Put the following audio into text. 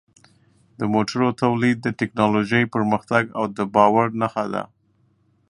د موټرو تولید د ټکنالوژۍ پرمختګ او د باور نښه ده.